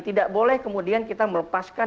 tidak boleh kemudian kita melepaskan